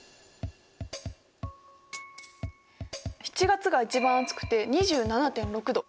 ７月が一番暑くて２７．６度。